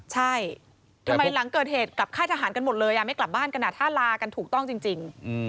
ใช่ทำไมหลังเกิดเหตุกลับค่ายทหารกันหมดเลยไม่กลับบ้านกันถ้าลากันถูกต้องจริง